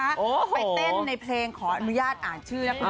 ไปเต้นในเพลงขออนุญาตอ่านชื่อนะคะ